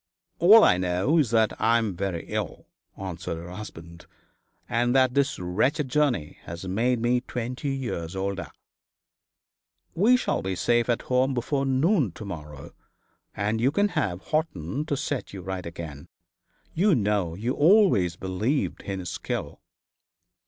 'All I know is that I am very ill,' answered her husband, 'and that this wretched journey has made me twenty years older.' 'We shall be safe at home before noon to morrow, and you can have Horton to set you right again. You know you always believed in his skill.'